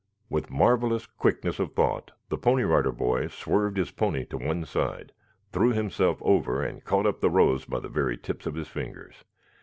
With marvelous quickness of thought the Pony Rider Boy swerved his pony to one side, threw himself over and caught up the rose by the very tips of his fingers.